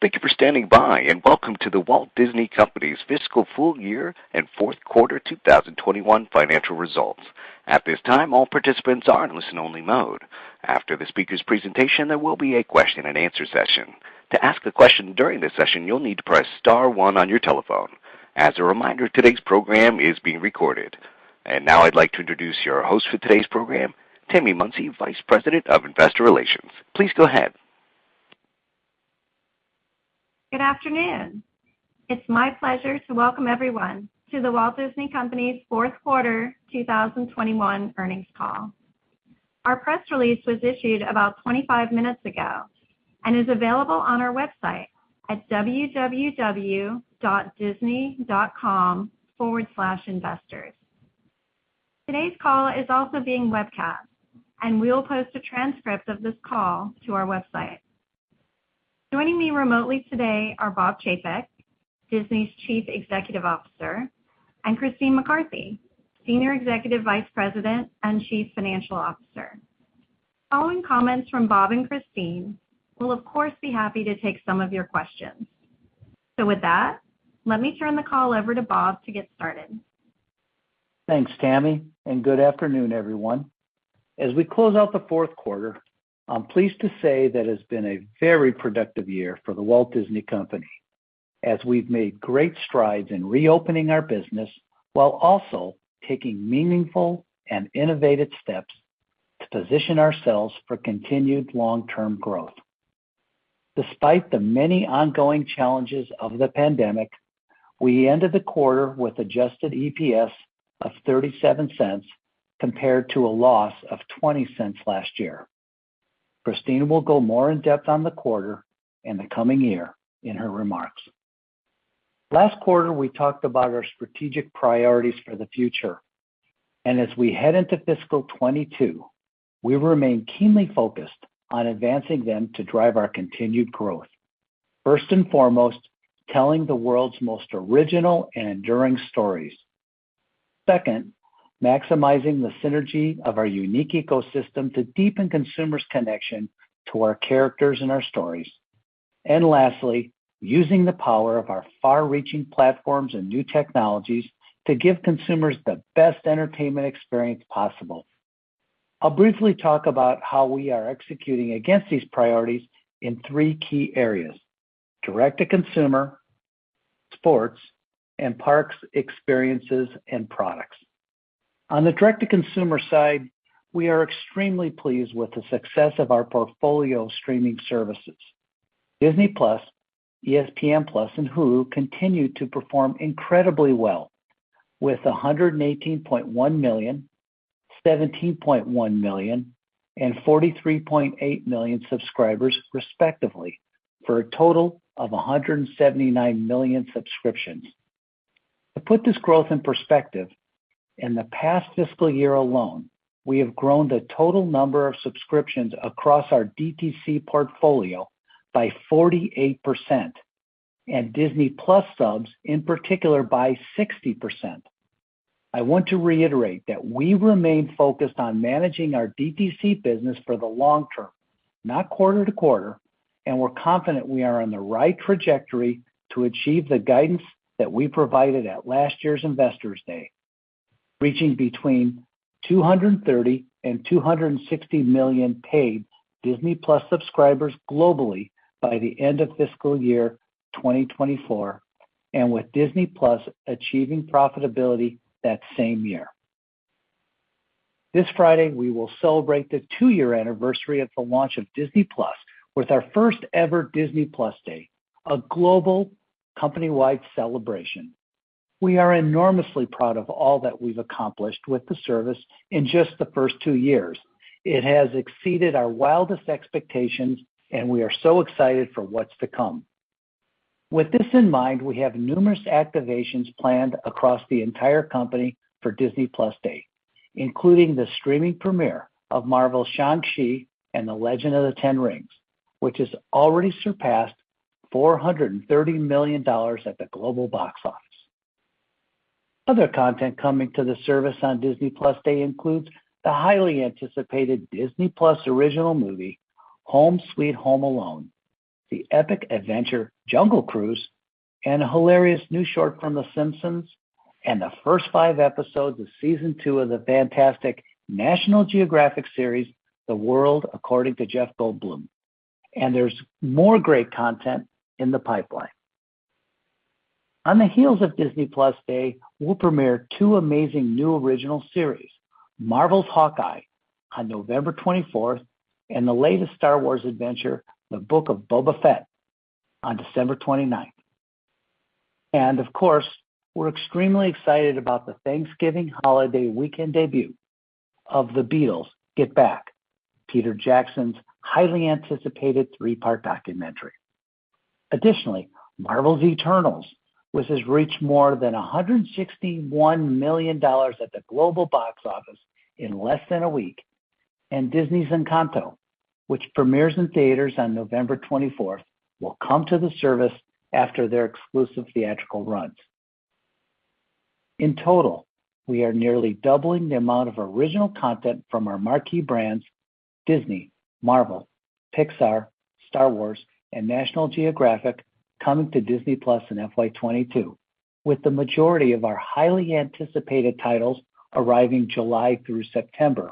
Thank you for standing by, and welcome to The Walt Disney Company's fiscal full year and fourth quarter 2021 financial results. At this time, all participants are in listen-only mode. After the speakers' presentation, there will be a question-and-answer session. To ask a question during the session, you'll need to press star one on your telephone. As a reminder, today's program is being recorded. Now I'd like to introduce your host for today's program, Tammy Munsey, Vice President of Investor Relations. Please go ahead. Good afternoon. It's my pleasure to welcome everyone to The Walt Disney Company's fourth quarter 2021 earnings call. Our press release was issued about 25 minutes ago and is available on our website at www.disney.com/investors. Today's call is also being webcast, and we'll post a transcript of this call to our website. Joining me remotely today are Bob Chapek, Disney's Chief Executive Officer, and Christine McCarthy, Senior Executive Vice President and Chief Financial Officer. Following comments from Bob and Christine, we'll of course be happy to take some of your questions. With that, let me turn the call over to Bob to get started. Thanks, Tammy, and good afternoon, everyone. As we close out the fourth quarter, I'm pleased to say that it's been a very productive year for The Walt Disney Company, as we've made great strides in reopening our business while also taking meaningful and innovative steps to position ourselves for continued long-term growth. Despite the many ongoing challenges of the pandemic, we ended the quarter with adjusted EPS of $0.37 compared to a loss of $0.20 last year. Christine will go more in depth on the quarter and the coming year in her remarks. Last quarter, we talked about our strategic priorities for the future, and as we head into fiscal 2022, we remain keenly focused on advancing them to drive our continued growth. First and foremost, telling the world's most original and enduring stories. Second, maximizing the synergy of our unique ecosystem to deepen consumers' connection to our characters and our stories. Lastly, using the power of our far-reaching platforms and new technologies to give consumers the best entertainment experience possible. I'll briefly talk about how we are executing against these priorities in three key areas: direct-to-consumer, sports, and Parks, Experiences and Products. On the direct-to-consumer side, we are extremely pleased with the success of our portfolio of streaming services. Disney+, ESPN+, and Hulu continue to perform incredibly well with 118.1 million, 17.1 million, and 43.8 million subscribers respectively, for a total of 179 million subscriptions. To put this growth in perspective, in the past fiscal year alone, we have grown the total number of subscriptions across our DTC portfolio by 48%, and Disney+ subs in particular by 60%. I want to reiterate that we remain focused on managing our DTC business for the long term, not quarter to quarter, and we're confident we are on the right trajectory to achieve the guidance that we provided at last year's Investor Day, reaching between 230 and 260 million paid Disney+ subscribers globally by the end of fiscal year 2024, and with Disney+ achieving profitability that same year. This Friday, we will celebrate the two-year anniversary of the launch of Disney+ with our first ever Disney+ Day, a global company-wide celebration. We are enormously proud of all that we've accomplished with the service in just the first two years. It has exceeded our wildest expectations, and we are so excited for what's to come. With this in mind, we have numerous activations planned across the entire company for Disney+ Day, including the streaming premiere of Marvel's Shang-Chi and the Legend of the Ten Rings, which has already surpassed $430 million at the global box office. Other content coming to the service on Disney+ Day includes the highly anticipated Disney+ original movie, Home Sweet Home Alone, the epic adventure Jungle Cruise, and a hilarious new short from The Simpsons, and the first five episodes of season 2 of the fantastic National Geographic series, The World According to Jeff Goldblum. There's more great content in the pipeline. On the heels of Disney+ Day, we'll premiere two amazing new original series, Marvel's Hawkeye on November 24th, and the latest Star Wars adventure, The Book of Boba Fett, on December 29th. Of course, we're extremely excited about the Thanksgiving holiday weekend debut of The Beatles: Get Back, Peter Jackson's highly anticipated three-part documentary. Additionally, Marvel's Eternals, which has reached more than $161 million at the global box office in less than a week, and Disney's Encanto, which premieres in theaters on November 24th, will come to the service after their exclusive theatrical runs. In total, we are nearly doubling the amount of original content from our marquee brands, Disney, Marvel, Pixar, Star Wars, and National Geographic coming to Disney+ in FY 2022, with the majority of our highly anticipated titles arriving July through September.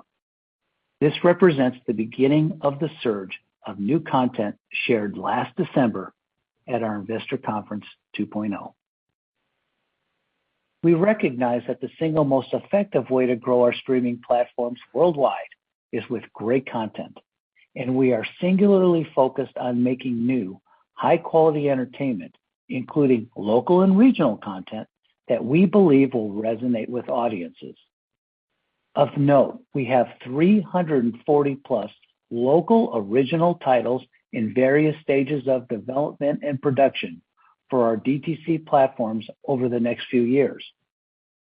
This represents the beginning of the surge of new content shared last December at our Investor Day 2.0. We recognize that the single most effective way to grow our streaming platforms worldwide is with great content, and we are singularly focused on making new high-quality entertainment, including local and regional content that we believe will resonate with audiences. Of note, we have 340+ local original titles in various stages of development and production for our DTC platforms over the next few years.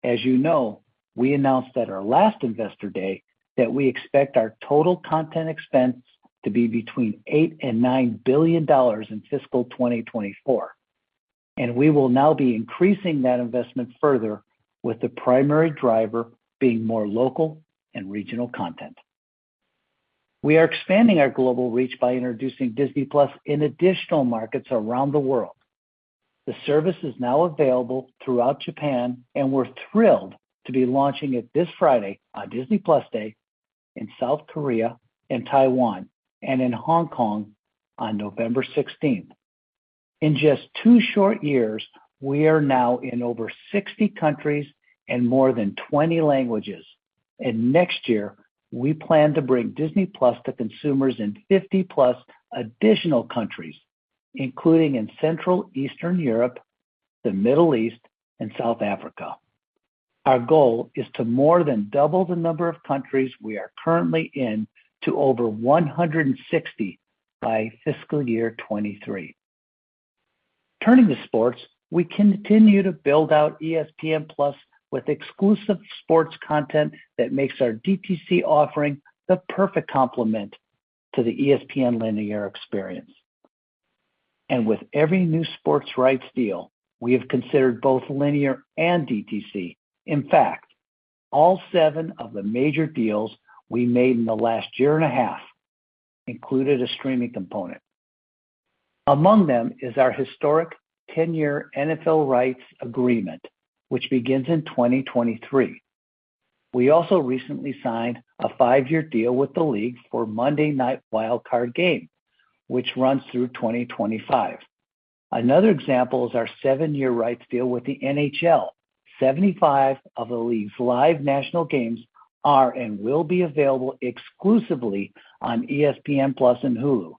As you know, we announced at our last Investor Day that we expect our total content expense to be between $8 billion and $9 billion in fiscal 2024, and we will now be increasing that investment further with the primary driver being more local and regional content. We are expanding our global reach by introducing Disney+ in additional markets around the world. The service is now available throughout Japan, and we're thrilled to be launching it this Friday on Disney+ Day in South Korea and Taiwan and in Hong Kong on November 16. In just two short years, we are now in over 60 countries and more than 20 languages. Next year, we plan to bring Disney+ to consumers in 50+ additional countries, including in central eastern Europe, the Middle East, and South Africa. Our goal is to more than double the number of countries we are currently in to over 160 by fiscal year 2023. Turning to sports, we continue to build out ESPN+ with exclusive sports content that makes our DTC offering the perfect complement to the ESPN linear experience. With every new sports rights deal, we have considered both linear and DTC. In fact, all seven of the major deals we made in the last year and a half included a streaming component. Among them is our historic 10-year NFL rights agreement, which begins in 2023. We also recently signed a five-year deal with the league for Monday Night Wild Card game, which runs through 2025. Another example is our seven-year rights deal with the NHL. 75 of the league's live national games are and will be available exclusively on ESPN+ and Hulu.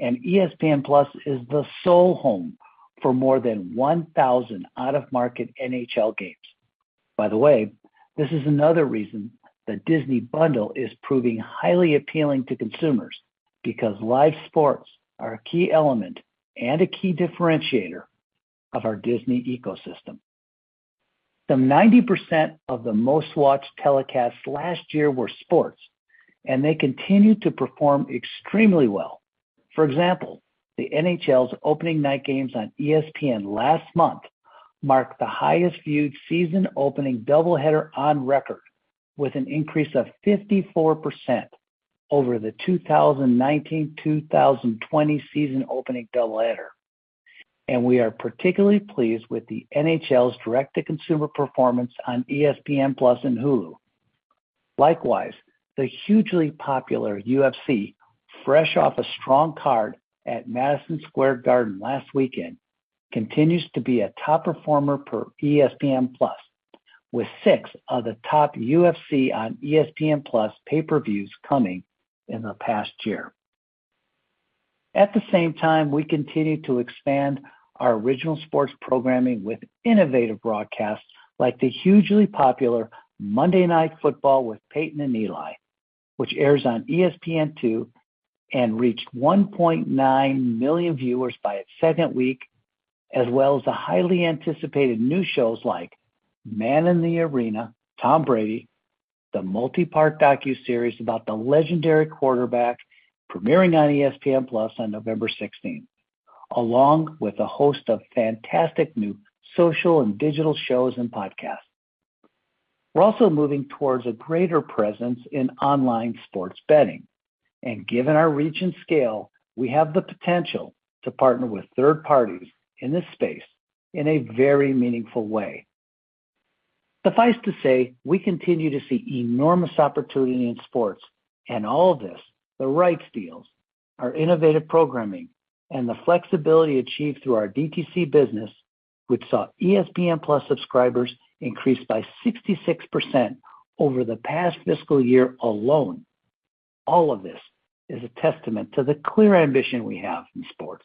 ESPN+ is the sole home for more than 1,000 out-of-market NHL games. By the way, this is another reason the Disney Bundle is proving highly appealing to consumers because live sports are a key element and a key differentiator of our Disney ecosystem. Some 90% of the most-watched telecasts last year were sports, and they continue to perform extremely well. For example, the NHL's opening night games on ESPN last month marked the highest viewed season opening double header on record with an increase of 54% over the 2019 to 2020 season opening double header. We are particularly pleased with the NHL's direct-to-consumer performance on ESPN+ and Hulu. Likewise, the hugely popular UFC, fresh off a strong card at Madison Square Garden last weekend, continues to be a top performer per ESPN+, with six of the top UFC on ESPN+ pay-per-views coming in the past year. At the same time, we continue to expand our original sports programming with innovative broadcasts like the hugely popular Monday Night Football with Peyton and Eli, which airs on ESPN2 and reached 1.9 million viewers by its second week, as well as the highly anticipated new shows like Man in the Arena: Tom Brady, the multi-part docuseries about the legendary quarterback premiering on ESPN+ on November sixteenth, along with a host of fantastic new social and digital shows and podcasts. We're also moving towards a greater presence in online sports betting. Given our reach and scale, we have the potential to partner with third parties in this space in a very meaningful way. Suffice to say, we continue to see enormous opportunity in sports and all of this, the rights deals, our innovative programming, and the flexibility achieved through our DTC business, which saw ESPN+ subscribers increase by 66% over the past fiscal year alone. All of this is a testament to the clear ambition we have in sports.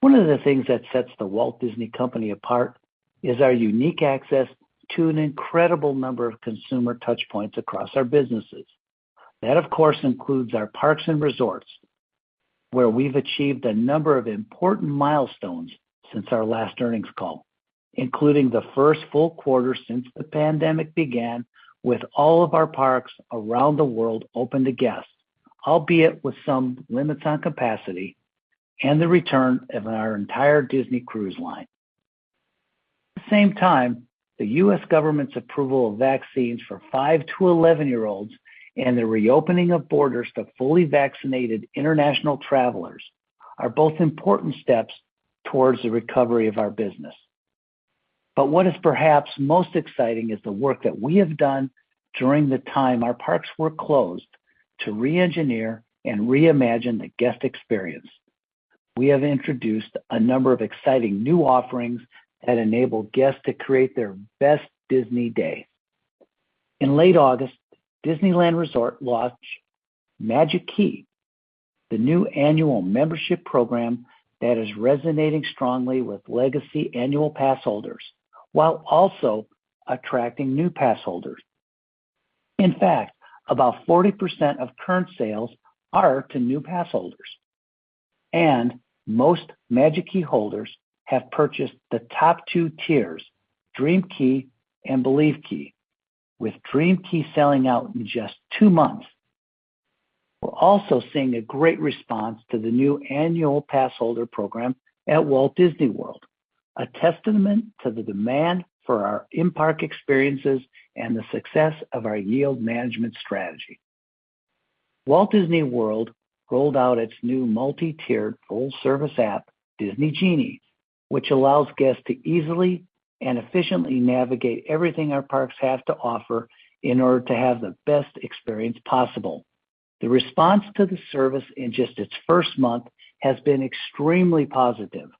One of the things that sets The Walt Disney Company apart is our unique access to an incredible number of consumer touch points across our businesses. That, of course, includes our parks and resorts, where we've achieved a number of important milestones since our last earnings call, including the first full quarter since the pandemic began with all of our parks around the world open to guests, albeit with some limits on capacity. The return of our entire Disney Cruise Line. The same time, the U.S. government's approval of vaccines for five to 11-year-olds and the reopening of borders to fully vaccinated international travelers are both important steps towards the recovery of our business. What is perhaps most exciting is the work that we have done during the time our parks were closed to re-engineer and reimagine the guest experience. We have introduced a number of exciting new offerings that enable guests to create their best Disney day. In late August, Disneyland Resort launched Magic Key, the new annual membership program that is resonating strongly with legacy annual pass holders, while also attracting new pass holders. In fact, about 40% of current sales are to new pass holders, and most Magic Key holders have purchased the top two tiers, Dream Key and Believe Key, with Dream Key selling out in just two months. We're also seeing a great response to the new annual pass holder program at Walt Disney World, a testament to the demand for our in-park experiences and the success of our yield management strategy. Walt Disney World rolled out its new multi-tiered full service app, Disney Genie, which allows guests to easily and efficiently navigate everything our parks have to offer in order to have the best experience possible. The response to the service in just its first month has been extremely positive.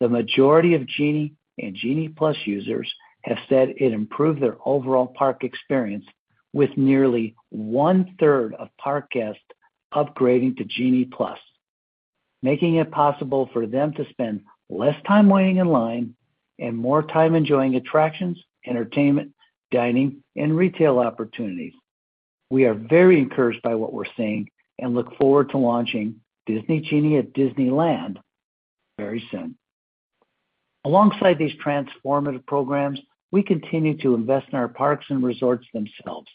The majority of Genie and Genie+ users have said it improved their overall park experience with nearly one-third of park guests upgrading to Genie+, making it possible for them to spend less time waiting in line and more time enjoying attractions, entertainment, dining, and retail opportunities. We are very encouraged by what we're seeing and look forward to launching Disney Genie at Disneyland very soon. Alongside these transformative programs, we continue to invest in our parks and resorts themselves.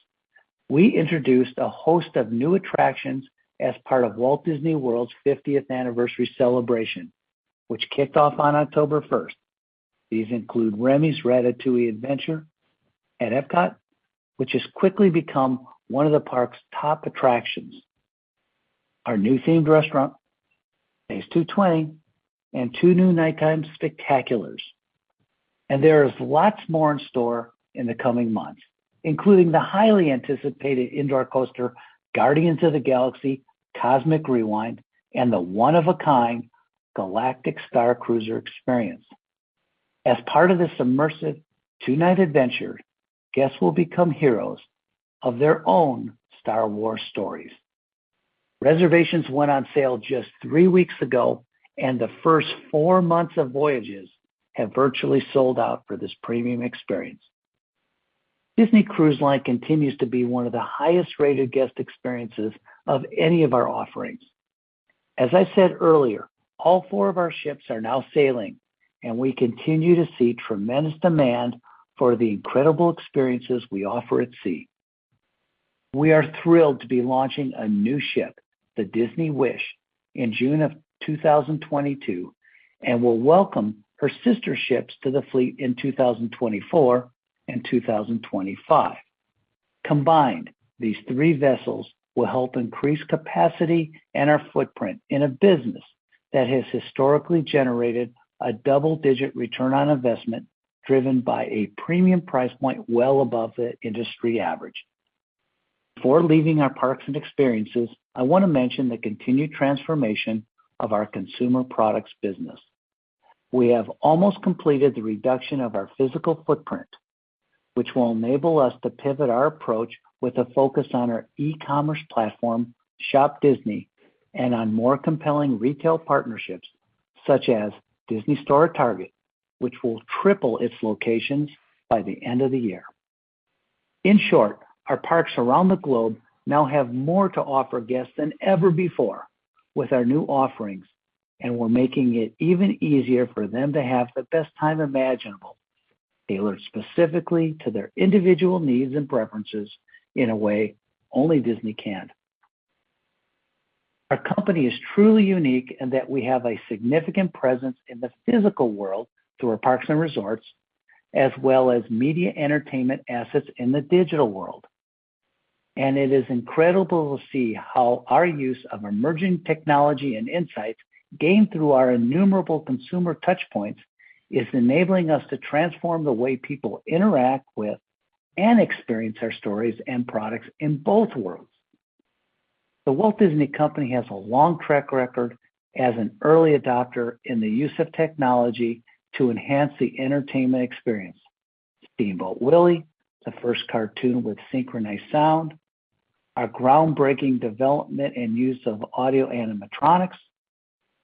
We introduced a host of new attractions as part of Walt Disney World's 50th anniversary celebration, which kicked off on October 1st. These include Remy's Ratatouille Adventure at EPCOT, which has quickly become one of the park's top attractions, our new themed restaurant, Space 220, and two new nighttime spectaculars. There is lots more in store in the coming months, including the highly anticipated indoor coaster, Guardians of the Galaxy: Cosmic Rewind, and the one of a kind Star Wars: Galactic Starcruiser experience. As part of this immersive two-night adventure, guests will become heroes of their own Star Wars stories. Reservations went on sale just three weeks ago, and the first four months of voyages have virtually sold out for this premium experience. Disney Cruise Line continues to be one of the highest-rated guest experiences of any of our offerings. As I said earlier, all four of our ships are now sailing, and we continue to see tremendous demand for the incredible experiences we offer at sea. We are thrilled to be launching a new ship, the Disney Wish, in June 2022, and we'll welcome her sister ships to the fleet in 2024 and 2025. Combined, these three vessels will help increase capacity and our footprint in a business that has historically generated a double-digit return on investment, driven by a premium price point well above the industry average. Before leaving our Parks and Experiences, I want to mention the continued transformation of our consumer products business. We have almost completed the reduction of our physical footprint, which will enable us to pivot our approach with a focus on our e-commerce platform, shopDisney, and on more compelling retail partnerships such as Disney store at Target, which will triple its locations by the end of the year. In short, our parks around the globe now have more to offer guests than ever before with our new offerings, and we're making it even easier for them to have the best time imaginable, tailored specifically to their individual needs and preferences in a way only Disney can. Our company is truly unique in that we have a significant presence in the physical world through our parks and resorts, as well as media entertainment assets in the digital world. It is incredible to see how our use of emerging technology and insights gained through our innumerable consumer touch points is enabling us to transform the way people interact with and experience our stories and products in both worlds. The Walt Disney Company has a long track record as an early adopter in the use of technology to enhance the entertainment experience. Steamboat Willie, the first cartoon with synchronized sound, our groundbreaking development and use of Audio-Animatronics.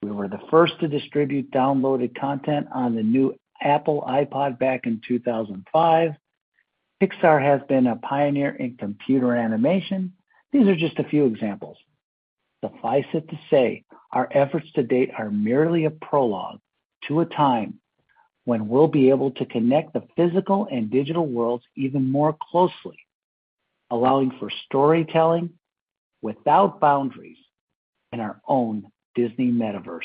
We were the first to distribute downloaded content on the new Apple iPod back in 2005. Pixar has been a pioneer in computer animation. These are just a few examples. Suffice it to say, our efforts to date are merely a prologue to a time when we'll be able to connect the physical and digital worlds even more closely, allowing for storytelling without boundaries in our own Disney metaverse.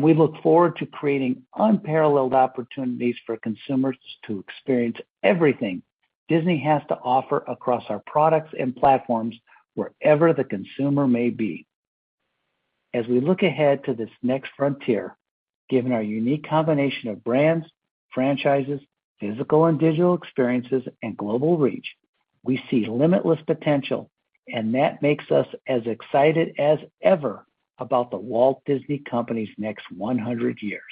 We look forward to creating unparalleled opportunities for consumers to experience everything Disney has to offer across our products and platforms wherever the consumer may be. As we look ahead to this next frontier, given our unique combination of brands, franchises, physical and digital experiences, and global reach, we see limitless potential, and that makes us as excited as ever about The Walt Disney Company's next one hundred years.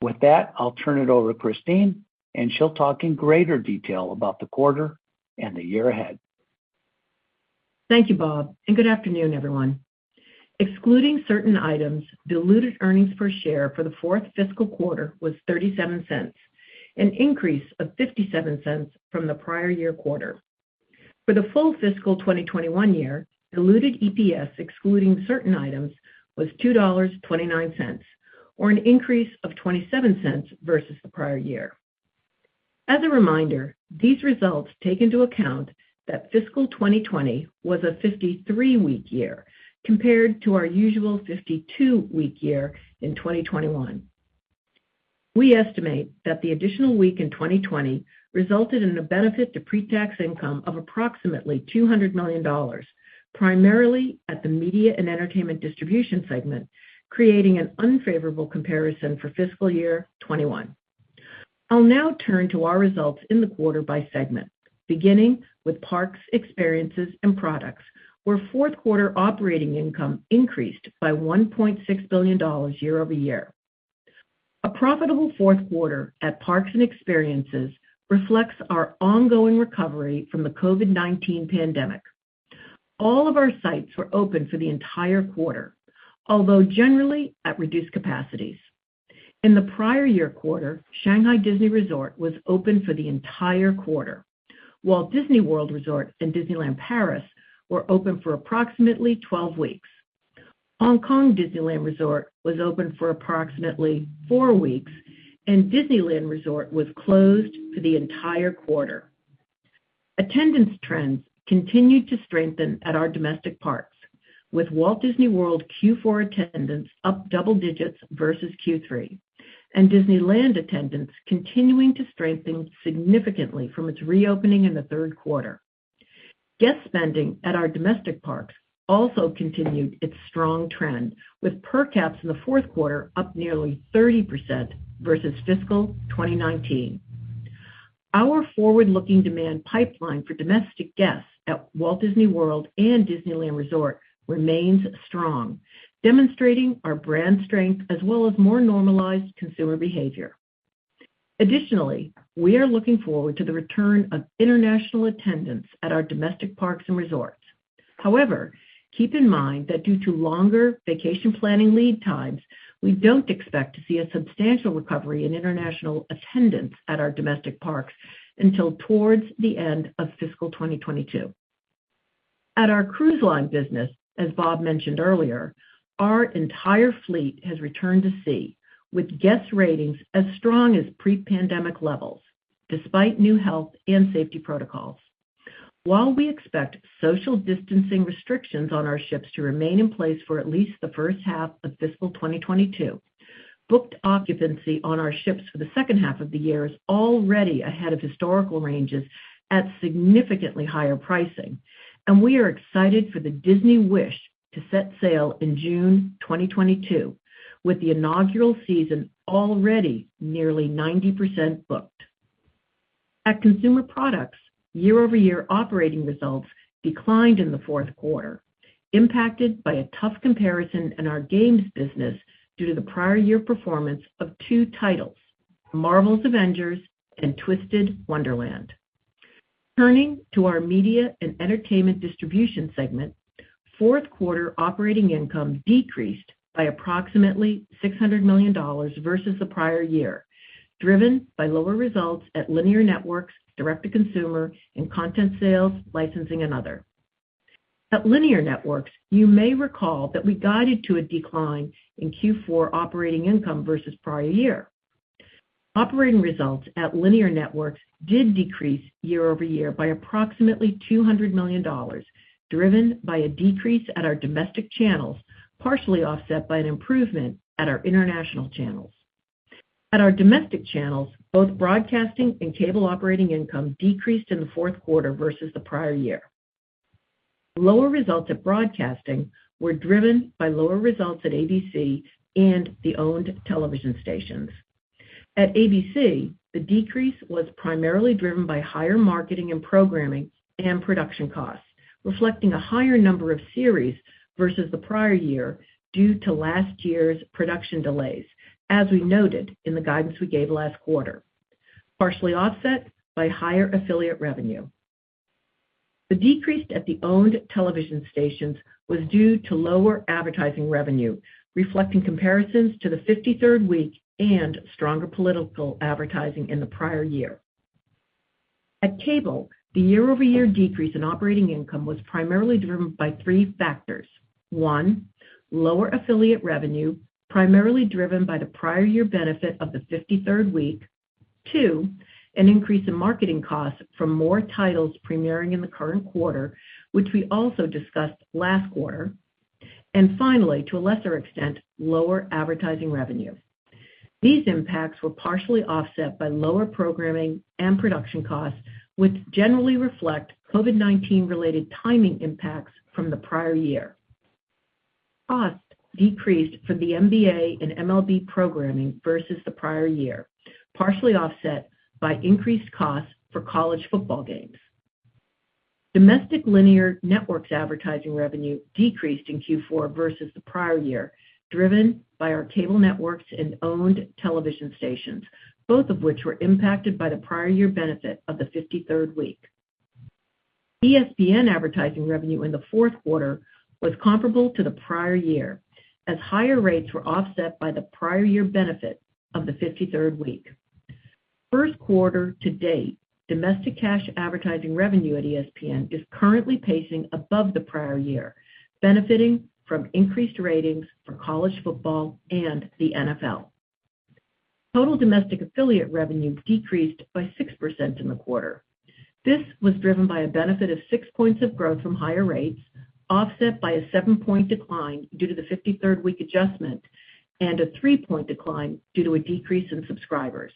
With that, I'll turn it over to Christine, and she'll talk in greater detail about the quarter and the year ahead. Thank you, Bob, and good afternoon, everyone. Excluding certain items, diluted earnings per share for the fourth fiscal quarter was $0.37, an increase of $0.57 from the prior year quarter. For the full fiscal 2021 year, diluted EPS, excluding certain items, was $2.29, or an increase of $0.27 versus the prior year. As a reminder, these results take into account that fiscal 2020 was a 53-week year compared to our usual 52-week year in 2021. We estimate that the additional week in 2020 resulted in a benefit to pre-tax income of approximately $200 million, primarily at the Media and Entertainment Distribution segment, creating an unfavorable comparison for fiscal year 2021. I'll now turn to our results in the quarter by segment, beginning with Parks, Experiences and Products, where fourth quarter operating income increased by $1.6 billion year-over-year. A profitable fourth quarter at Parks and Experiences reflects our ongoing recovery from the COVID-19 pandemic. All of our sites were open for the entire quarter, although generally at reduced capacities. In the prior year quarter, Shanghai Disney Resort was open for the entire quarter, while Walt Disney World Resort and Disneyland Paris were open for approximately 12 weeks. Hong Kong Disneyland Resort was open for approximately four weeks, and Disneyland Resort was closed for the entire quarter. Attendance trends continued to strengthen at our domestic parks, with Walt Disney World Q4 attendance up double digits versus Q3, and Disneyland attendance continuing to strengthen significantly from its reopening in the third quarter. Guest spending at our domestic parks also continued its strong trend, with per caps in the fourth quarter up nearly 30% versus fiscal 2019. Our forward-looking demand pipeline for domestic guests at Walt Disney World and Disneyland Resort remains strong, demonstrating our brand strength as well as more normalized consumer behavior. Additionally, we are looking forward to the return of international attendance at our domestic parks and resorts. However, keep in mind that due to longer vacation planning lead times, we don't expect to see a substantial recovery in international attendance at our domestic parks until towards the end of fiscal 2022. At our cruise line business, as Bob mentioned earlier, our entire fleet has returned to sea with guest ratings as strong as pre-pandemic levels despite new health and safety protocols. While we expect social distancing restrictions on our ships to remain in place for at least the first half of fiscal 2022, booked occupancy on our ships for the second half of the year is already ahead of historical ranges at significantly higher pricing. We are excited for the Disney Wish to set sail in June 2022, with the inaugural season already nearly 90% booked. At Consumer Products, year-over-year operating results declined in the fourth quarter, impacted by a tough comparison in our games business due to the prior year performance of two titles, Marvel's Avengers and Twisted Wonderland. Turning to our Media and Entertainment Distribution segment, fourth quarter operating income decreased by approximately $600 million versus the prior year, driven by lower results at Linear Networks, direct to consumer, and content sales, licensing, and other. At Linear Networks, you may recall that we guided to a decline in Q4 operating income versus prior year. Operating results at Linear Networks did decrease year-over-year by approximately $200 million, driven by a decrease at our domestic channels, partially offset by an improvement at our international channels. At our domestic channels, both broadcasting and cable operating income decreased in the fourth quarter versus the prior year. Lower results at broadcasting were driven by lower results at ABC and the owned television stations. At ABC, the decrease was primarily driven by higher marketing and programming and production costs, reflecting a higher number of series versus the prior year due to last year's production delays, as we noted in the guidance we gave last quarter, partially offset by higher affiliate revenue. The decrease at the owned television stations was due to lower advertising revenue, reflecting comparisons to the 53rd week and stronger political advertising in the prior year. At Cable, the year-over-year decrease in operating income was primarily driven by three factors: One, lower affiliate revenue, primarily driven by the prior year benefit of the 53rd week. Two, an increase in marketing costs from more titles premiering in the current quarter, which we also discussed last quarter. And finally, to a lesser extent, lower advertising revenue. These impacts were partially offset by lower programming and production costs, which generally reflect COVID-19 related timing impacts from the prior year. Costs decreased from the NBA and MLB programming versus the prior year, partially offset by increased costs for college football games. Domestic Linear Networks advertising revenue decreased in Q4 versus the prior year, driven by our cable networks and owned television stations, both of which were impacted by the prior year benefit of the 53rd week. ESPN advertising revenue in the fourth quarter was comparable to the prior year as higher rates were offset by the prior year benefit of the 53rd week. First quarter to date, domestic cash advertising revenue at ESPN is currently pacing above the prior year, benefiting from increased ratings for college football and the NFL. Total domestic affiliate revenue decreased by 6% in the quarter. This was driven by a benefit of 6 points of growth from higher rates, offset by a 7-point decline due to the 53rd week adjustment and a 3-point decline due to a decrease in subscribers.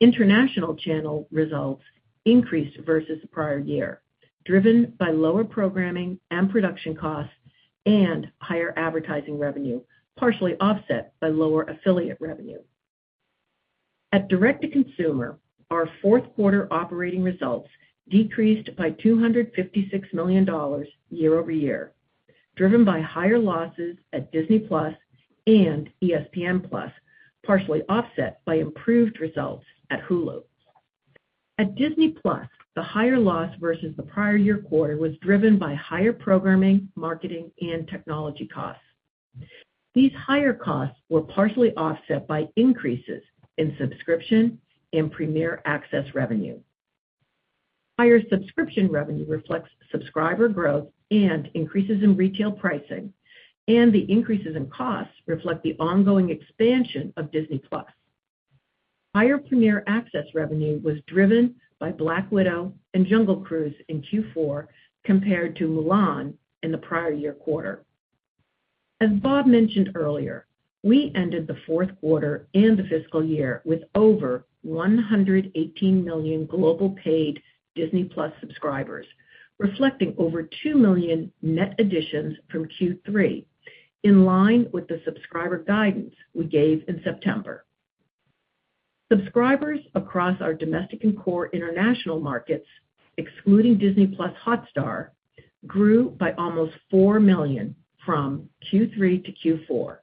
International channel results increased versus the prior year, driven by lower programming and production costs and higher advertising revenue, partially offset by lower affiliate revenue. At direct-to-consumer, our fourth quarter operating results decreased by $256 million year-over-year, driven by higher losses at Disney+ and ESPN+, partially offset by improved results at Hulu. At Disney+, the higher loss versus the prior year quarter was driven by higher programming, marketing, and technology costs. These higher costs were partially offset by increases in subscription and Premier Access revenue. Higher subscription revenue reflects subscriber growth and increases in retail pricing, and the increases in costs reflect the ongoing expansion of Disney+. Higher Premier Access revenue was driven by Black Widow and Jungle Cruise in Q4 compared to Mulan in the prior year quarter. As Bob mentioned earlier, we ended the fourth quarter and the fiscal year with over 118 million global paid Disney+ subscribers, reflecting over 2 million net additions from Q3, in line with the subscriber guidance we gave in September. Subscribers across our domestic and core international markets, excluding Disney+ Hotstar, grew by almost 4 million from Q3 to Q4.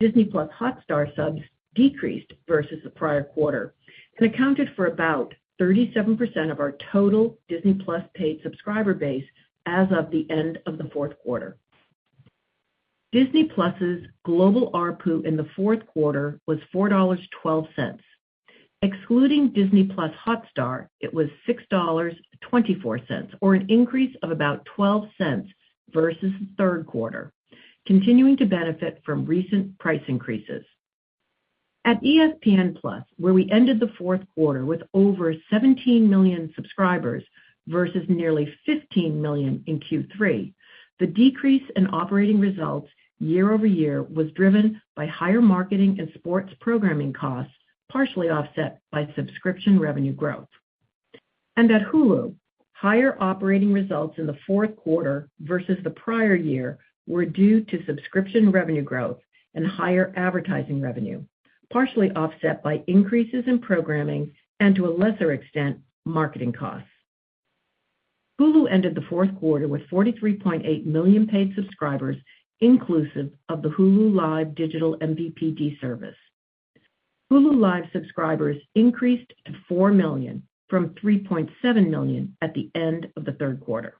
Disney+ Hotstar subs decreased versus the prior quarter and accounted for about 37% of our total Disney+ paid subscriber base as of the end of the fourth quarter. Disney+'s global ARPU in the fourth quarter was $4.12. Excluding Disney+ Hotstar, it was $6.24, or an increase of about 12 cents versus the third quarter, continuing to benefit from recent price increases. At ESPN+, where we ended the fourth quarter with over 17 million subscribers versus nearly 15 million in Q3, the decrease in operating results year-over-year was driven by higher marketing and sports programming costs, partially offset by subscription revenue growth. At Hulu, higher operating results in the fourth quarter versus the prior year were due to subscription revenue growth and higher advertising revenue, partially offset by increases in programming and to a lesser extent, marketing costs. Hulu ended the fourth quarter with 43.8 million paid subscribers, inclusive of the Hulu Live digital MVPD service. Hulu Live subscribers increased to 4 million from 3.7 million at the end of the third quarter.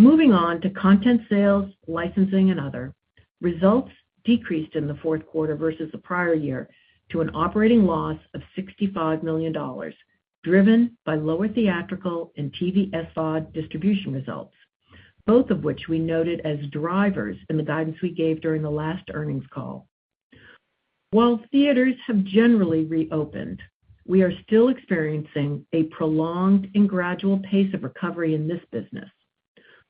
Moving on to content sales, licensing, and other, results decreased in the fourth quarter versus the prior year to an operating loss of $65 million, driven by lower theatrical and TV SVOD distribution results, both of which we noted as drivers in the guidance we gave during the last earnings call. While theaters have generally reopened, we are still experiencing a prolonged and gradual pace of recovery in this business.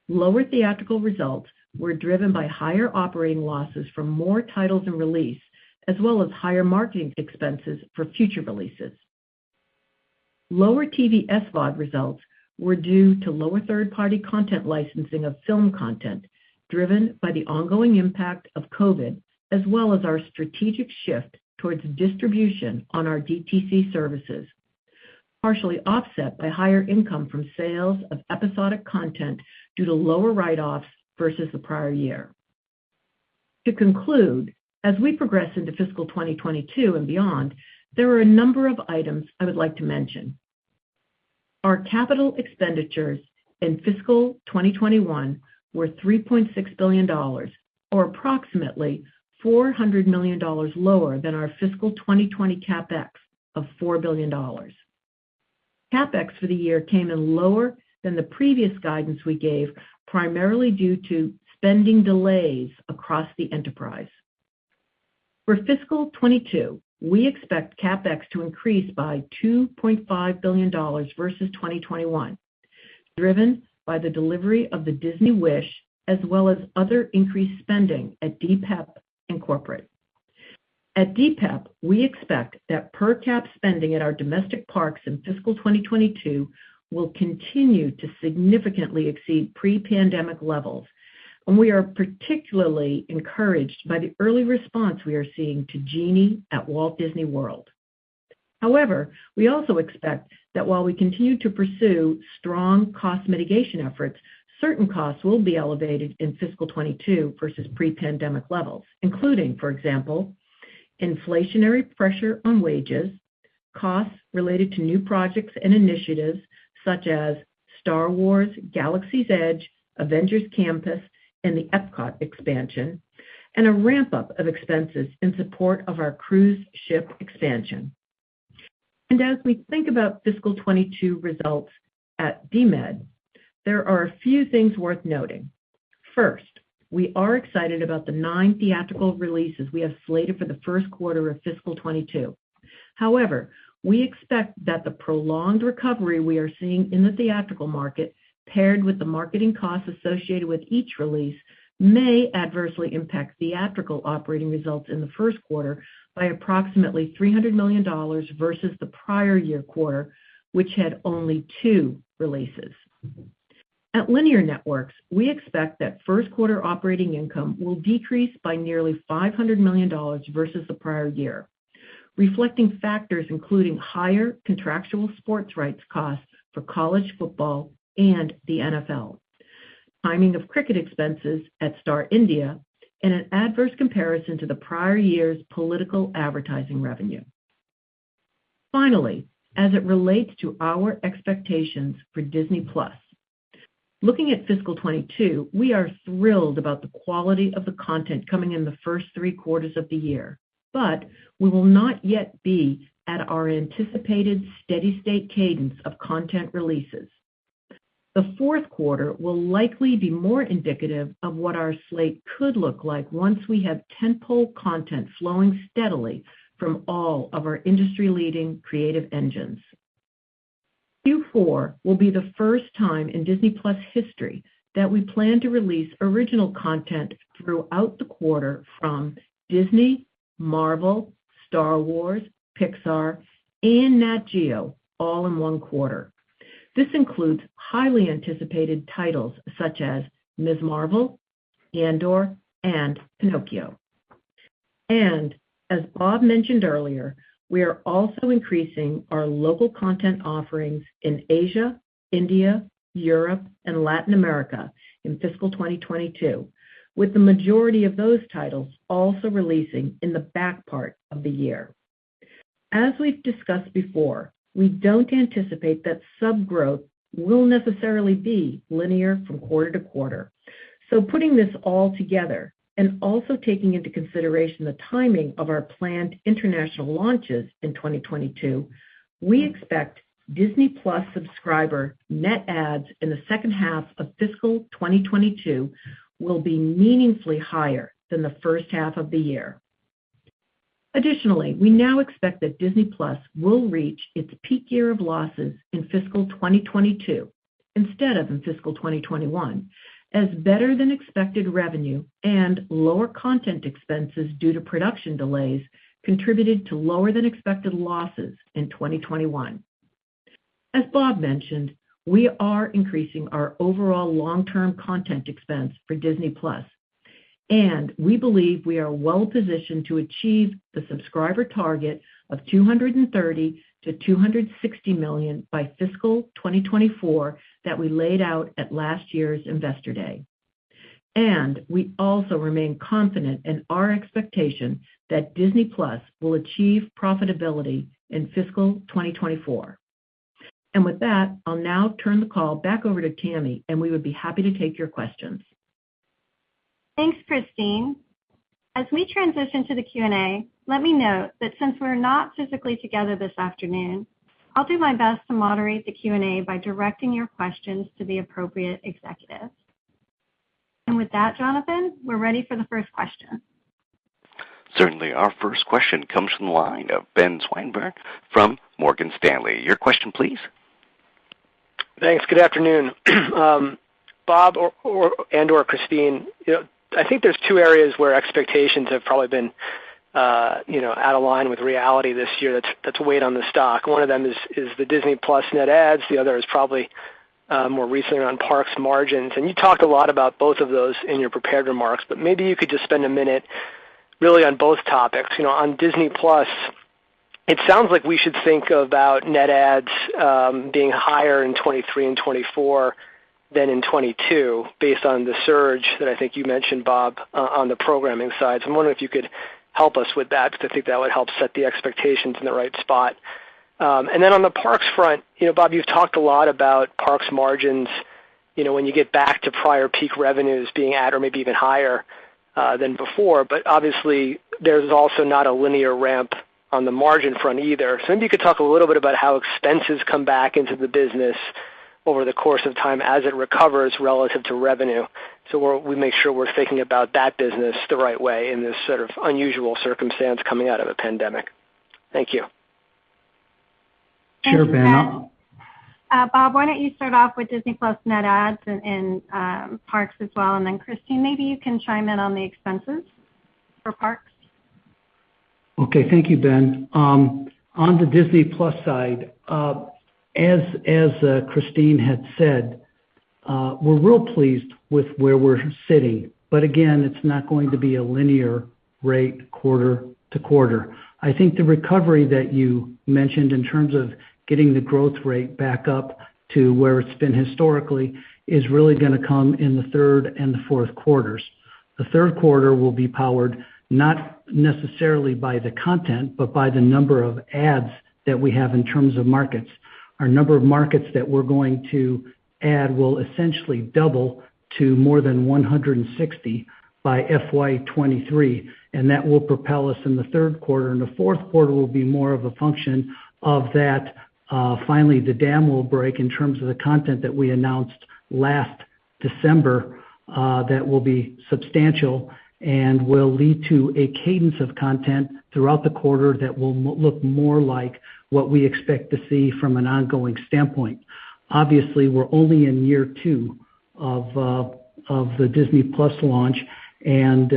Lower theatrical results were driven by higher operating losses from more titles in release, as well as higher marketing expenses for future releases. Lower TV SVOD results were due to lower third-party content licensing of film content driven by the ongoing impact of COVID, as well as our strategic shift towards distribution on our DTC services, partially offset by higher income from sales of episodic content due to lower write-offs versus the prior year. To conclude, as we progress into fiscal 2022 and beyond, there are a number of items I would like to mention. Our capital expenditures in fiscal 2021 were $3.6 billion, or approximately $400 million lower than our fiscal 2020 CapEx of $4 billion. CapEx for the year came in lower than the previous guidance we gave, primarily due to spending delays across the enterprise. For fiscal 2022, we expect CapEx to increase by $2.5 billion versus 2021, driven by the delivery of the Disney Wish as well as other increased spending at DPEP and corporate. At DPEP, we expect that per caps spending at our domestic parks in fiscal 2022 will continue to significantly exceed pre-pandemic levels, and we are particularly encouraged by the early response we are seeing to Genie at Walt Disney World. However, we also expect that while we continue to pursue strong cost mitigation efforts, certain costs will be elevated in fiscal 2022 versus pre-pandemic levels, including, for example, inflationary pressure on wages, costs related to new projects and initiatives such as Star Wars: Galaxy's Edge, Avengers Campus, and the EPCOT expansion, and a ramp-up of expenses in support of our cruise ship expansion. As we think about fiscal 2022 results at DMED, there are a few things worth noting. First, we are excited about the nine theatrical releases we have slated for the first quarter of fiscal 2022. However, we expect that the prolonged recovery we are seeing in the theatrical market, paired with the marketing costs associated with each release, may adversely impact theatrical operating results in the first quarter by approximately $300 million versus the prior year quarter, which had only two releases. At Linear Networks, we expect that first quarter operating income will decrease by nearly $500 million versus the prior year, reflecting factors including higher contractual sports rights costs for college football and the NFL, timing of cricket expenses at Star India, and an adverse comparison to the prior year's political advertising revenue. Finally, as it relates to our expectations for Disney+, looking at fiscal 2022, we are thrilled about the quality of the content coming in the first three quarters of the year. We will not yet be at our anticipated steady-state cadence of content releases. The fourth quarter will likely be more indicative of what our slate could look like once we have tentpole content flowing steadily from all of our industry-leading creative engines. Q4 will be the first time in Disney+ history that we plan to release original content throughout the quarter from Disney, Marvel, Star Wars, Pixar, and Nat Geo all in one quarter. This includes highly anticipated titles such as Ms. Marvel, Andor, and Pinocchio. As Bob mentioned earlier, we are also increasing our local content offerings in Asia, India, Europe, and Latin America in fiscal 2022, with the majority of those titles also releasing in the back part of the year. As we've discussed before, we don't anticipate that sub growth will necessarily be linear from quarter to quarter. Putting this all together and also taking into consideration the timing of our planned international launches in 2022, we expect Disney+ subscriber net adds in the second half of fiscal 2022 will be meaningfully higher than the first half of the year. Additionally, we now expect that Disney+ will reach its peak year of losses in fiscal 2022 instead of in fiscal 2021, as better-than-expected revenue and lower content expenses due to production delays contributed to lower-than-expected losses in 2021. As Bob mentioned, we are increasing our overall long-term content expense for Disney+, and we believe we are well-positioned to achieve the subscriber target of 230-260 million by fiscal 2024 that we laid out at last year's Investor Day. We also remain confident in our expectation that Disney+ will achieve profitability in fiscal 2024. With that, I'll now turn the call back over to Tammy, and we would be happy to take your questions. Thanks, Christine. As we transition to the Q&A, let me note that since we're not physically together this afternoon, I'll do my best to moderate the Q&A by directing your questions to the appropriate executives. With that, Jonathan, we're ready for the first question. Certainly. Our first question comes from the line of Ben Swinburne from Morgan Stanley. Your question, please. Thanks. Good afternoon. Bob or and/or Christine, you know, I think there's two areas where expectations have probably been, you know, out of line with reality this year that's weighed on the stock. One of them is the Disney+ net adds. The other is probably more recently on Parks margins. You talked a lot about both of those in your prepared remarks, but maybe you could just spend a minute really on both topics. You know, on Disney+, it sounds like we should think about net adds being higher in 2023 and 2024 than in 2022 based on the surge that I think you mentioned, Bob, on the programming side. I'm wondering if you could help us with that because I think that would help set the expectations in the right spot. On the Parks front, you know, Bob, you've talked a lot about Parks margins. You know, when you get back to prior peak revenues being at or maybe even higher than before, but obviously there's also not a linear ramp on the margin front either. Maybe you could talk a little bit about how expenses come back into the business over the course of time as it recovers relative to revenue. We make sure we're thinking about that business the right way in this sort of unusual circumstance coming out of a pandemic. Thank you. Sure, Ben. Thanks, Ben. Bob, why don't you start off with Disney+ net adds and parks as well, then Christine, maybe you can chime in on the expenses for parks. Okay. Thank you, Ben. On the Disney+ side, as Christine had said, we're real pleased with where we're sitting, but again, it's not going to be a linear rate quarter to quarter. I think the recovery that you mentioned in terms of getting the growth rate back up to where it's been historically is really gonna come in the third and the fourth quarters. The third quarter will be powered not necessarily by the content, but by the number of ads that we have in terms of markets. Our number of markets that we're going to add will essentially double to more than 160 by FY 2023, and that will propel us in the third quarter. The fourth quarter will be more of a function of that. Finally, the dam will break in terms of the content that we announced last December. That will be substantial and will lead to a cadence of content throughout the quarter that will look more like what we expect to see from an ongoing standpoint. Obviously, we're only in year two of the Disney+ launch, and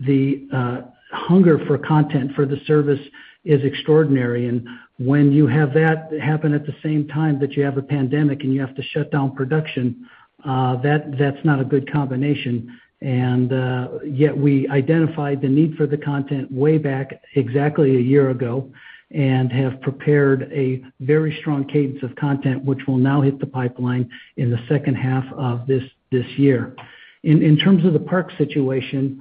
the hunger for content for the service is extraordinary. When you have that happen at the same time that you have a pandemic and you have to shut down production, that's not a good combination. Yet we identified the need for the content way back exactly a year ago and have prepared a very strong cadence of content, which will now hit the pipeline in the second half of this year. In terms of the park situation,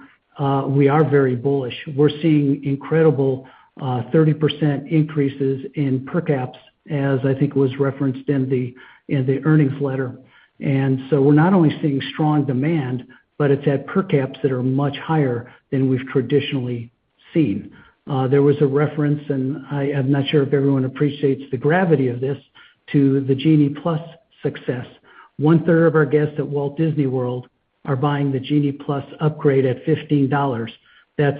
we are very bullish. We're seeing incredible 30% increases in per caps, as I think was referenced in the earnings letter. We're not only seeing strong demand, but it's at per caps that are much higher than we've traditionally seen. There was a reference, and I am not sure if everyone appreciates the gravity of this, to the Genie Plus success. One-third of our guests at Walt Disney World are buying the Genie Plus upgrade at $15. That's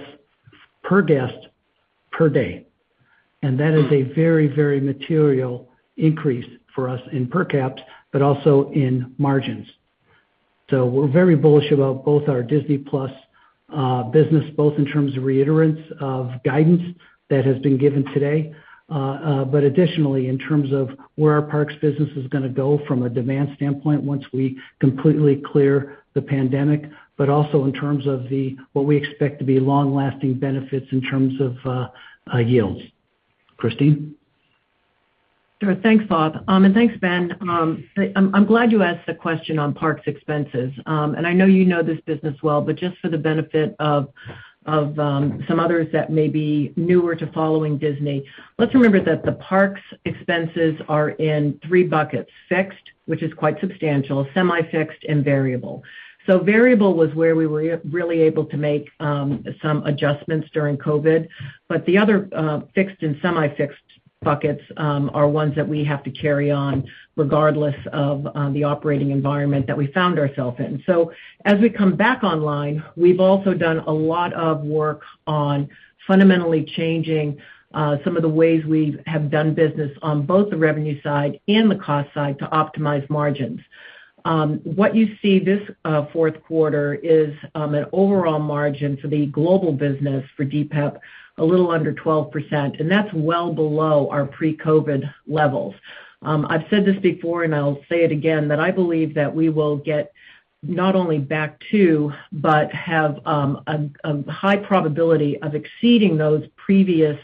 per guest, per day. That is a very, very material increase for us in per caps, but also in margins. We're very bullish about both our Disney+ business, both in terms of reiteration of guidance that has been given today, but additionally, in terms of where our parks business is gonna go from a demand standpoint once we completely clear the pandemic, but also in terms of what we expect to be long-lasting benefits in terms of yields. Christine? Sure. Thanks, Bob. Thanks, Ben. I'm glad you asked the question on parks expenses. I know you know this business well, but just for the benefit of some others that may be newer to following Disney, let's remember that the parks expenses are in three buckets, fixed, which is quite substantial, semi-fixed, and variable. Variable was where we were really able to make some adjustments during COVID. The other fixed and semi-fixed buckets are ones that we have to carry on regardless of the operating environment that we found ourselves in. As we come back online, we've also done a lot of work on fundamentally changing some of the ways we have done business on both the revenue side and the cost side to optimize margins. What you see this fourth quarter is an overall margin for the global business for DPEP a little under 12%, and that's well below our pre-COVID levels. I've said this before, and I'll say it again, that I believe that we will get not only back to, but have a high probability of exceeding those previous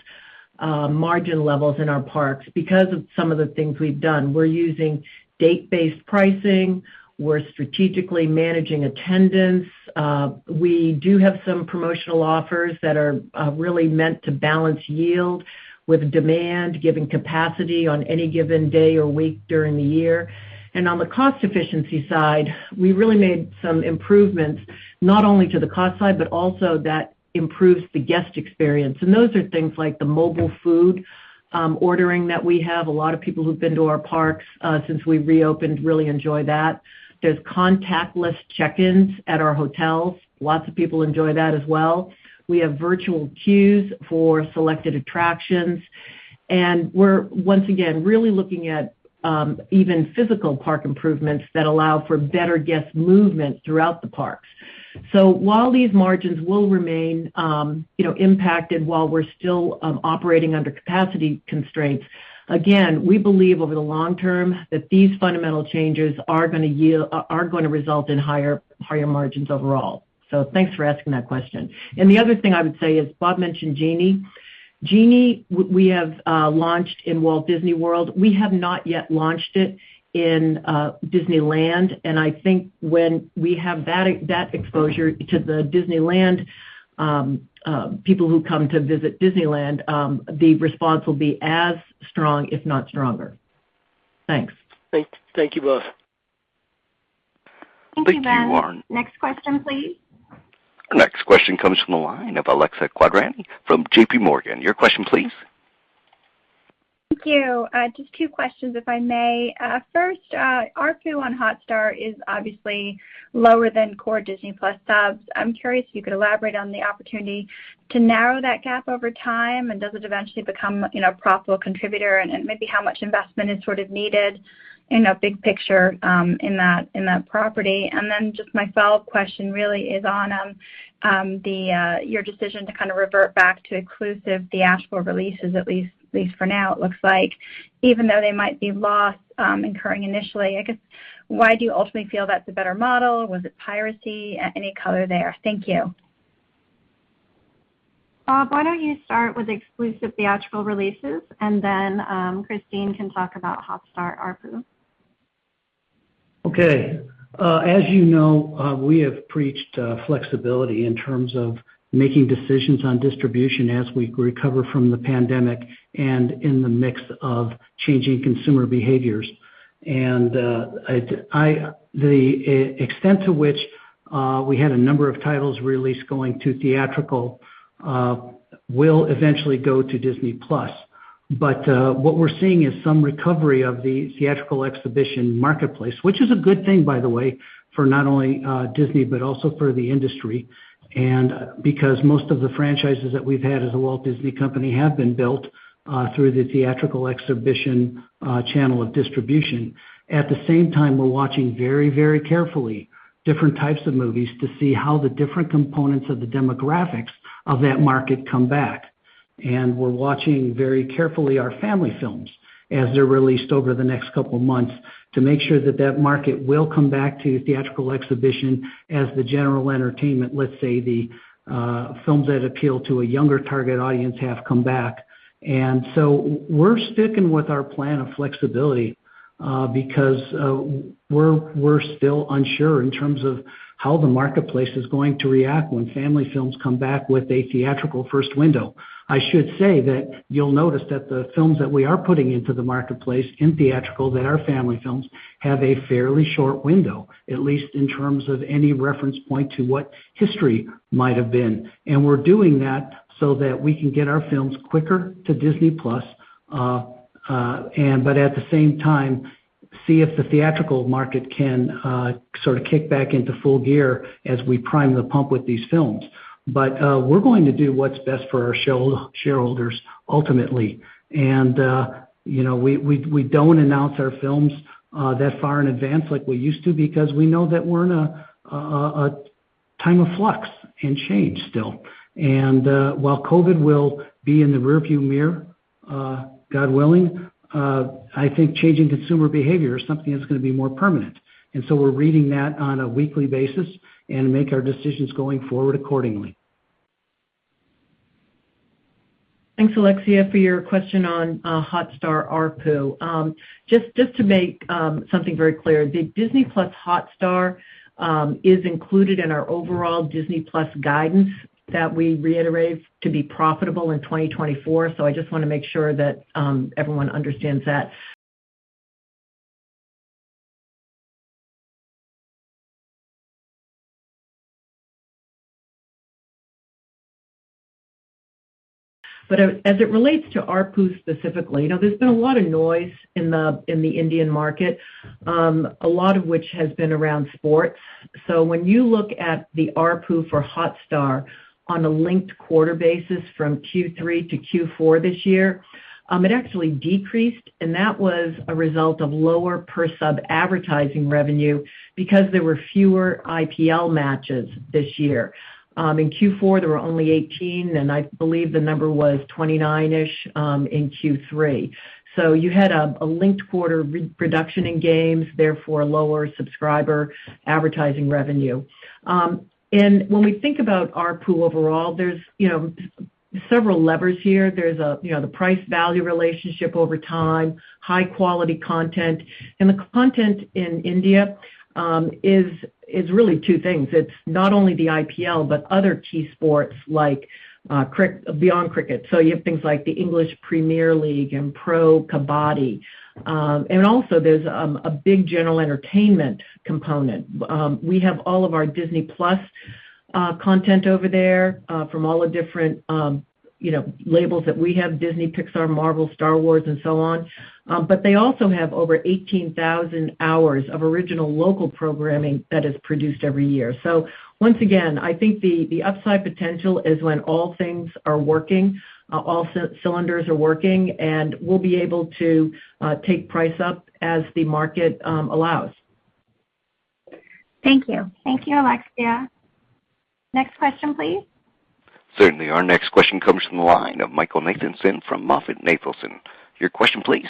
margin levels in our parks because of some of the things we've done. We're using date-based pricing. We're strategically managing attendance. We do have some promotional offers that are really meant to balance yield with demand, given capacity on any given day or week during the year. On the cost efficiency side, we really made some improvements, not only to the cost side, but also that improves the guest experience. Those are things like the mobile food ordering that we have. A lot of people who've been to our parks since we reopened really enjoy that. There's contactless check-ins at our hotels. Lots of people enjoy that as well. We have virtual queues for selected attractions, and we're, once again, really looking at even physical park improvements that allow for better guest movement throughout the parks. While these margins will remain, you know, impacted while we're still operating under capacity constraints, again, we believe over the long term that these fundamental changes are gonna result in higher margins overall. Thanks for asking that question. The other thing I would say is Bob mentioned Genie. Genie, we have launched in Walt Disney World. We have not yet launched it in Disneyland, and I think when we have that exposure to the Disneyland people who come to visit Disneyland, the response will be as strong, if not stronger. Thanks. Thank you both. Thank you, Ben. Thank you, Ben. Next question, please. Next question comes from the line of Alexia Quadrani from J.P. Morgan. Your question please. Just two questions, if I may. First, ARPU on Hotstar is obviously lower than core Disney+ subs. I'm curious if you could elaborate on the opportunity to narrow that gap over time, and does it eventually become, you know, a profitable contributor? And maybe how much investment is sort of needed in a big picture, in that property? And then just my follow-up question really is on your decision to kind of revert back to exclusively theatrical releases, at least for now it looks like, even though they might be loss-incurring initially. I guess, why do you ultimately feel that's a better model? Was it piracy? Any color there? Thank you. Bob, why don't you start with exclusive theatrical releases, and then, Christine can talk about Hotstar ARPU. Okay. As you know, we have preached flexibility in terms of making decisions on distribution as we recover from the pandemic and in the mix of changing consumer behaviors. The extent to which we had a number of titles released going to theatrical will eventually go to Disney+. What we're seeing is some recovery of the theatrical exhibition marketplace, which is a good thing, by the way, for not only Disney, but also for the industry. Because most of the franchises that we've had as The Walt Disney Company have been built through the theatrical exhibition channel of distribution. At the same time, we're watching very, very carefully different types of movies to see how the different components of the demographics of that market come back. We're watching very carefully our family films as they're released over the next couple of months to make sure that market will come back to theatrical exhibition as the general entertainment, let's say, the films that appeal to a younger target audience have come back. We're sticking with our plan of flexibility because we're still unsure in terms of how the marketplace is going to react when family films come back with a theatrical first window. I should say that you'll notice that the films that we are putting into the marketplace in theatrical that are family films have a fairly short window, at least in terms of any reference point to what history might have been. We're doing that so that we can get our films quicker to Disney+, but at the same time, see if the theatrical market can sort of kick back into full gear as we prime the pump with these films. We're going to do what's best for our shareholders ultimately. You know, we don't announce our films that far in advance like we used to because we know that we're in a time of flux and change still. While COVID will be in the rear view mirror, God willing, I think changing consumer behavior is something that's gonna be more permanent. We're reading that on a weekly basis and make our decisions going forward accordingly. Thanks, Alexia, for your question on Hotstar ARPU. Just to make something very clear, the Disney+ Hotstar is included in our overall Disney+ guidance that we reiterate to be profitable in 2024. I just wanna make sure that everyone understands that. As it relates to ARPU specifically, you know, there's been a lot of noise in the Indian market, a lot of which has been around sports. When you look at the ARPU for Hotstar on a linked quarter basis from Q3 to Q4 this year, it actually decreased, and that was a result of lower per sub advertising revenue because there were fewer IPL matches this year. In Q4, there were only 18, and I believe the number was 29-ish in Q3. You had a quarter-over-quarter reduction in games, therefore lower subscriber advertising revenue. When we think about ARPU overall, there's several levers here. There's the price value relationship over time, high quality content. The content in India is really two things. It's not only the IPL, but other key sports like beyond cricket. You have things like the English Premier League and Pro Kabaddi. There's a big general entertainment component. We have all of our Disney+ content over there from all the different labels that we have, Disney, Pixar, Marvel, Star Wars, and so on. They also have over 18,000 hours of original local programming that is produced every year. Once again, I think the upside potential is when all things are working, all cylinders are working, and we'll be able to take price up as the market allows. Thank you. Thank you, Alexia. Next question, please. Certainly. Our next question comes from the line of Michael Nathanson from MoffettNathanson. Your question please.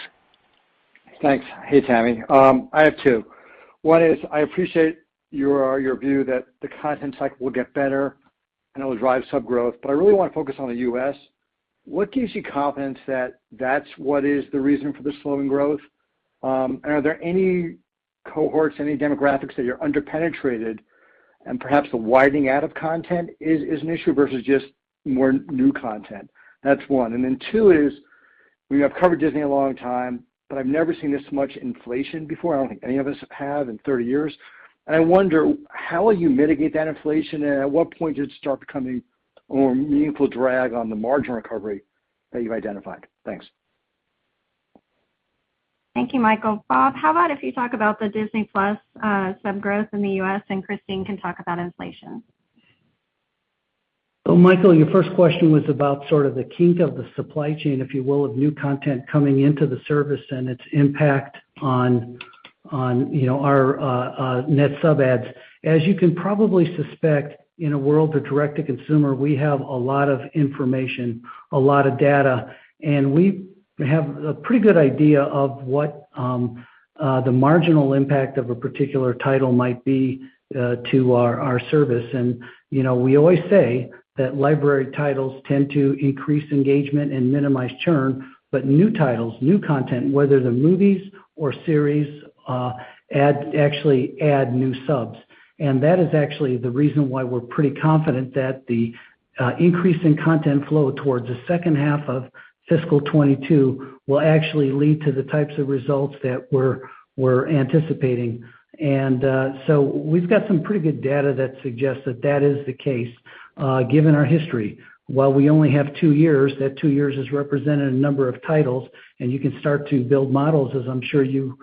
Thanks. Hey, Tammy. I have two. One is, I appreciate your view that the content cycle will get better and it will drive sub growth. I really wanna focus on the U.S. What gives you confidence that that's what is the reason for the slowing growth? Are there any cohorts, any demographics that you're under-penetrated and perhaps the widening out of content is an issue versus just more new content? That's one. Two is, we have covered Disney a long time, but I've never seen this much inflation before. I don't think any of us have in 30 years. I wonder how will you mitigate that inflation, and at what point does it start becoming a more meaningful drag on the margin recovery that you've identified? Thanks. Thank you, Michael. Bob, how about if you talk about the Disney+ sub growth in the U.S. and Christine can talk about inflation. Michael, your first question was about sort of the kink of the supply chain, if you will, of new content coming into the service and its impact on, you know, our net sub adds. As you can probably suspect, in a world of direct-to-consumer, we have a lot of information, a lot of data, and we have a pretty good idea of what the marginal impact of a particular title might be to our service. You know, we always say that library titles tend to increase engagement and minimize churn, but new titles, new content, whether they're movies or series, actually add new subs. That is actually the reason why we're pretty confident that the increase in content flow towards the second half of fiscal 2022 will actually lead to the types of results that we're anticipating. We've got some pretty good data that suggests that that is the case, given our history. While we only have two years, that two years has represented a number of titles, and you can start to build models, as I'm sure you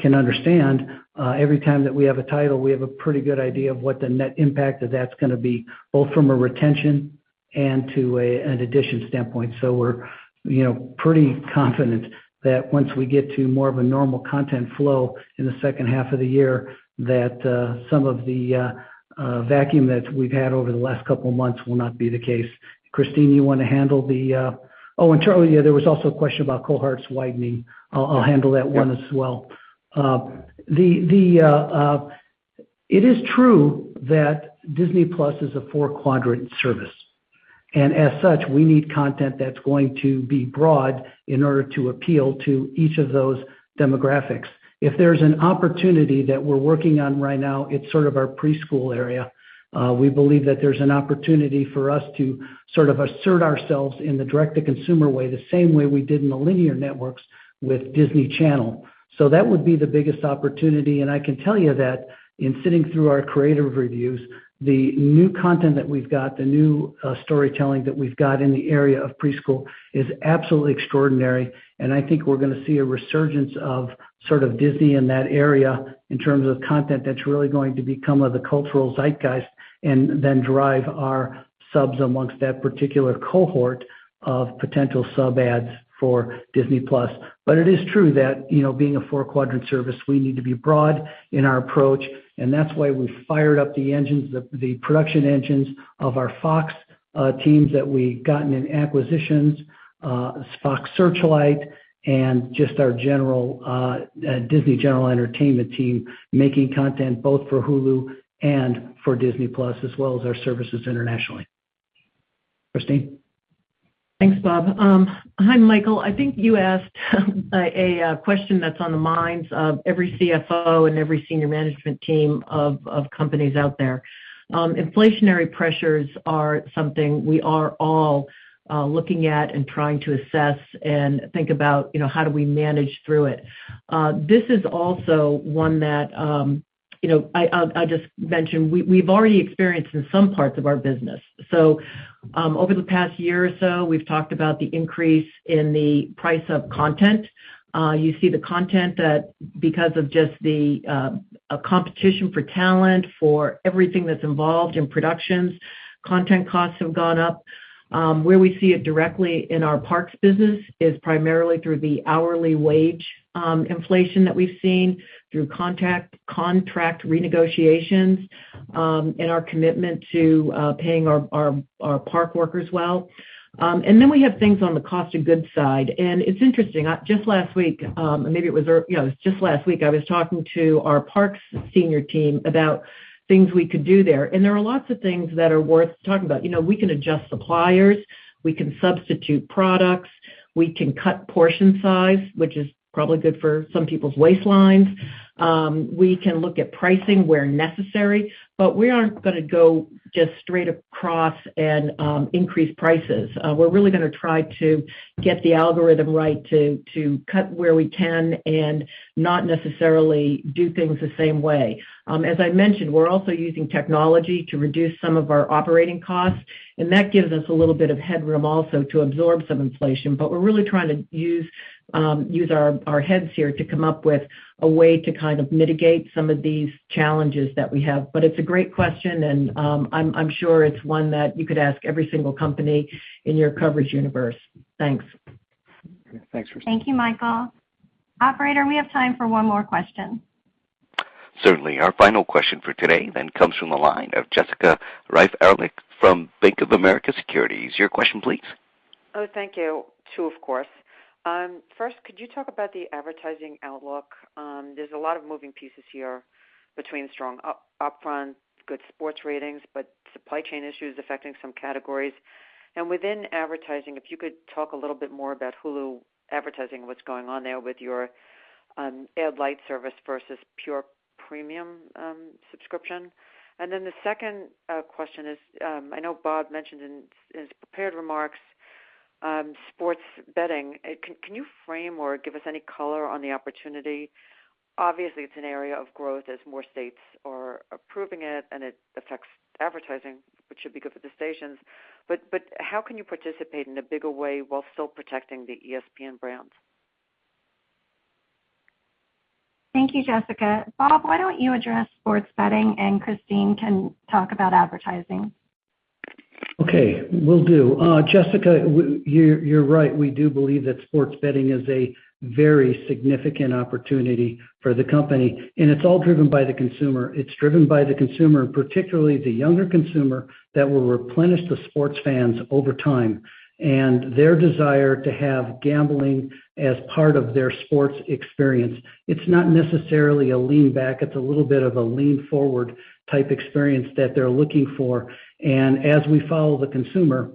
can understand. Every time that we have a title, we have a pretty good idea of what the net impact of that's gonna be, both from a retention and to an addition standpoint. We're, you know, pretty confident that once we get to more of a normal content flow in the second half of the year, that some of the vacuum that we've had over the last couple of months will not be the case. Christine, you wanna handle the. Oh, and Charlie, yeah, there was also a question about cohorts widening. I'll handle that one as well. It is true that Disney+ is a four-quadrant service, and as such, we need content that's going to be broad in order to appeal to each of those demographics. If there's an opportunity that we're working on right now, it's sort of our preschool area. We believe that there's an opportunity for us to sort of assert ourselves in the direct-to-consumer way, the same way we did in the Linear Networks with Disney Channel. That would be the biggest opportunity. I can tell you that in sitting through our creative reviews, the new content that we've got, the new storytelling that we've got in the area of preschool is absolutely extraordinary, and I think we're gonna see a resurgence of sort of Disney in that area in terms of content that's really going to become of the cultural zeitgeist and then drive our subs amongst that particular cohort of potential sub adds for Disney+. It is true that, you know, being a four-quadrant service, we need to be broad in our approach, and that's why we fired up the engines, the production engines of our Fox teams that we've gotten in acquisitions, Searchlight Pictures and just our Disney General Entertainment team making content both for Hulu and for Disney+ as well as our services internationally. Christine? Thanks, Bob. Hi, Michael. I think you asked a question that's on the minds of every CFO and every senior management team of companies out there. Inflationary pressures are something we are all looking at and trying to assess and think about, you know, how do we manage through it. This is also one that, you know, I'll just mention, we've already experienced in some parts of our business. Over the past year or so, we've talked about the increase in the price of content. You see the content that because of just the competition for talent, for everything that's involved in productions, content costs have gone up. Where we see it directly in our parks business is primarily through the hourly wage inflation that we've seen through contract renegotiations, and our commitment to paying our park workers well. We have things on the cost of goods side. It's interesting, just last week, you know, it was just last week I was talking to our parks senior team about things we could do there. There are lots of things that are worth talking about. You know, we can adjust suppliers. We can substitute products. We can cut portion size, which is probably good for some people's waistlines. We can look at pricing where necessary. We aren't gonna go just straight across and increase prices. We're really gonna try to get the algorithm right to cut where we can and not necessarily do things the same way. As I mentioned, we're also using technology to reduce some of our operating costs, and that gives us a little bit of headroom also to absorb some inflation. We're really trying to use our heads here to come up with a way to kind of mitigate some of these challenges that we have. It's a great question and I'm sure it's one that you could ask every single company in your coverage universe. Thanks. Thanks, Michael. Thank you, Michael. Operator, we have time for one more question. Certainly. Our final question for today then comes from the line of Jessica Reif Ehrlich from Bank of America Securities. Your question please. Oh, thank you. Two, of course. First, could you talk about the advertising outlook? There's a lot of moving parts here between strong upfront, good sports ratings, but supply chain issues affecting some categories. Within advertising, if you could talk a little bit more about Hulu advertising, what's going on there with your Ad-light service versus pure premium subscription. The second question is, I know Bob mentioned in his prepared remarks, sports betting. Can you frame or give us any color on the opportunity? Obviously, it's an area of growth as more states are approving it, and it affects advertising, which should be good for the stations. How can you participate in a bigger way while still protecting the ESPN brands? Thank you, Jessica. Bob, why don't you address sports betting and Christine can talk about advertising. Okay. Will do. Jessica, you're right. We do believe that sports betting is a very significant opportunity for the company, and it's all driven by the consumer. It's driven by the consumer, particularly the younger consumer that will replenish the sports fans over time and their desire to have gambling as part of their sports experience. It's not necessarily a lean back. It's a little bit of a lean forward type experience that they're looking for. As we follow the consumer,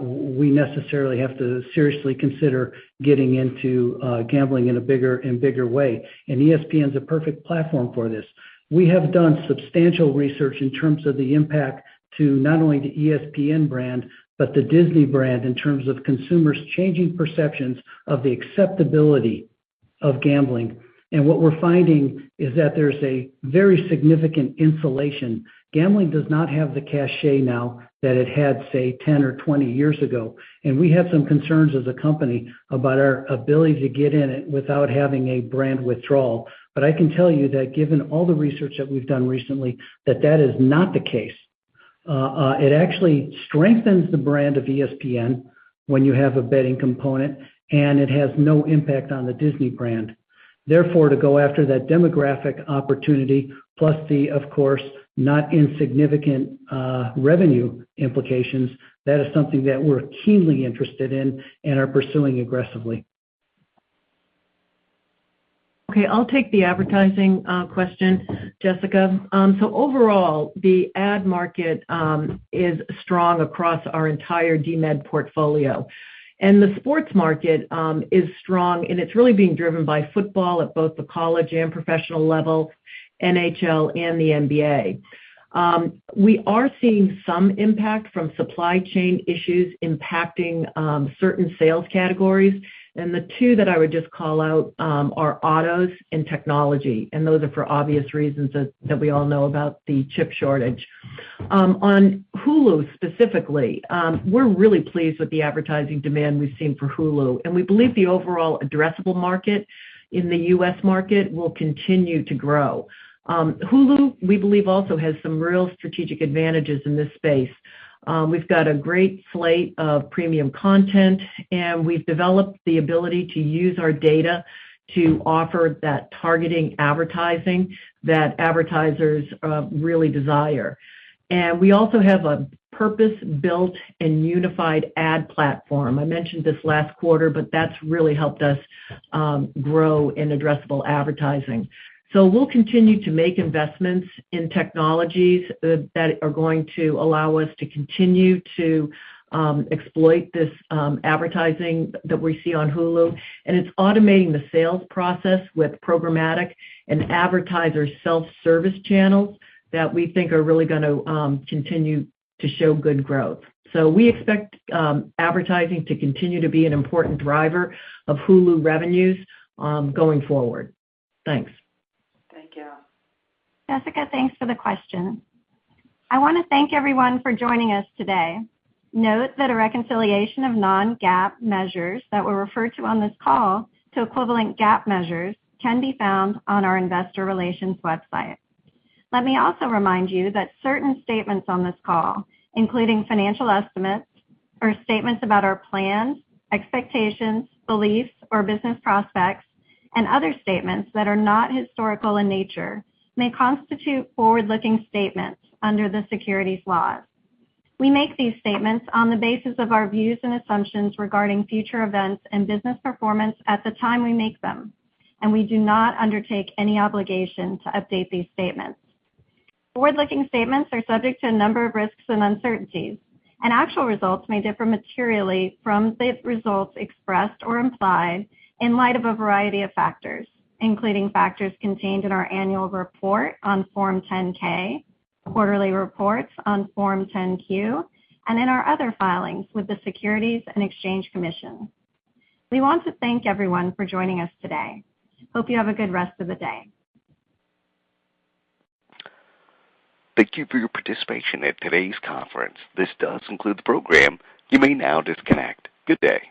we necessarily have to seriously consider getting into gambling in a bigger and bigger way. ESPN's a perfect platform for this. We have done substantial research in terms of the impact to not only the ESPN brand, but the Disney brand in terms of consumers changing perceptions of the acceptability of gambling. What we're finding is that there's a very significant insulation. Gambling does not have the cachet now that it had, say, 10 or 20 years ago. We had some concerns as a company about our ability to get in it without having a brand withdrawal. I can tell you that given all the research that we've done recently, that that is not the case. It actually strengthens the brand of ESPN when you have a betting component, and it has no impact on the Disney brand. Therefore, to go after that demographic opportunity plus the, of course, not insignificant revenue implications, that is something that we're keenly interested in and are pursuing aggressively. Okay. I'll take the advertising question, Jessica. Overall, the ad market is strong across our entire DMED portfolio. The sports market is strong, and it's really being driven by football at both the college and professional level, NHL and the NBA. We are seeing some impact from supply chain issues impacting certain sales categories, and the two that I would just call out are autos and technology. Those are for obvious reasons that we all know about the chip shortage. On Hulu specifically, we're really pleased with the advertising demand we've seen for Hulu, and we believe the overall addressable market in the U.S. market will continue to grow. Hulu, we believe, also has some real strategic advantages in this space. We've got a great slate of premium content, and we've developed the ability to use our data to offer that targeting advertising that advertisers really desire. We also have a purpose-built and unified ad platform. I mentioned this last quarter, but that's really helped us grow in addressable advertising. We'll continue to make investments in technologies that are going to allow us to continue to exploit this advertising that we see on Hulu. It's automating the sales process with programmatic and advertiser self-service channels that we think are really gonna continue to show good growth. We expect advertising to continue to be an important driver of Hulu revenues going forward. Thanks. Thank you. Jessica, thanks for the question. I wanna thank everyone for joining us today. Note that a reconciliation of non-GAAP measures that were referred to on this call to equivalent GAAP measures can be found on our investor relations website. Let me also remind you that certain statements on this call, including financial estimates or statements about our plans, expectations, beliefs or business prospects and other statements that are not historical in nature, may constitute forward-looking statements under the securities laws. We make these statements on the basis of our views and assumptions regarding future events and business performance at the time we make them, and we do not undertake any obligation to update these statements. Forward-looking statements are subject to a number of risks and uncertainties, and actual results may differ materially from the results expressed or implied in light of a variety of factors, including factors contained in our annual report on Form 10-K, quarterly reports on Form 10-Q, and in our other filings with the Securities and Exchange Commission. We want to thank everyone for joining us today. Hope you have a good rest of the day. Thank you for your participation in today's conference. This does conclude the program. You may now disconnect. Good day.